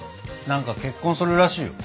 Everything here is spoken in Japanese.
何か結婚するらしいよ。